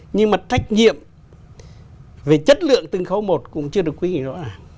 nhưng mà trách nhiệm về chất lượng từng khâu một cũng chưa được quyết định rõ